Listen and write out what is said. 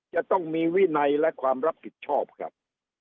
จะต้องมีวินัยและความรับผิดชอบครับ